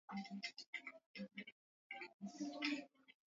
kuachwa Pia pana kanuni zinazojulikana na kukubalika sana kuhusu